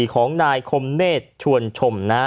ของนายขมเรสชวนชม